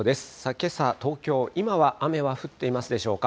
けさ東京、今は雨は降っていますでしょうか。